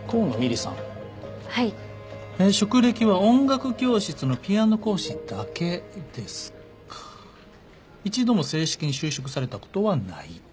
璃さんはい職歴は音楽教室のピアノ講師だけですか一度も正式に就職されたことはない？